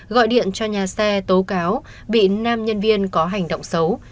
gọi điện cho nhà xe tố cáo bị nam nhân viên có hành động xấu